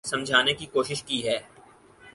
سمجھانے کی کوشش کی ہے